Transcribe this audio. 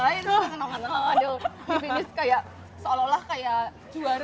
aduh di finish kayak seolah olah kayak juara gitu